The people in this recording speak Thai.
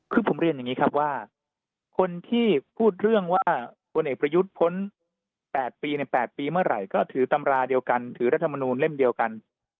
คือผมเรียนอย่างนี้ครับว่าคนที่พูดเรื่องว่าพลเอกประยุทธ์พ้น๘ปีใน๘ปีเมื่อไหร่ก็ถือตำราเดียวกันถือรัฐมนูลเล่มเดียวกัน